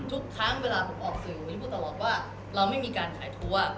ทุกครั้งเวลาผมออกถึงแล้วว่าเราเคยไม่มีการขายทัวร์